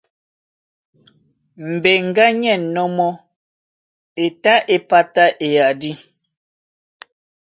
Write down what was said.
Mbeŋgá ní ɛ̂nnɔ́ mɔ́, e tá é pátá eyadí.